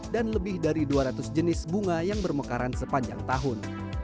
dan lebih dari dua ratus jenis bunga yang bermekaran sepanjang tahun